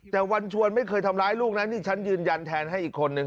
แต่วันชวนไม่เคยทำร้ายลูกนะนี่ฉันยืนยันแทนให้อีกคนนึง